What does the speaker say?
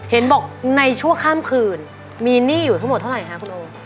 เห็นบอกในชั่วข้ามคืนมีหนี้อยู่ทั้งหมดเท่าไหร่คะคุณโอ